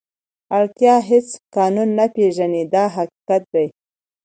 اړتیا هېڅ قانون نه پېژني دا حقیقت دی.